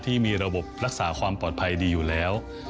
ที่มีระบบรักษาความปลอดภัยดีอยู่แล้ว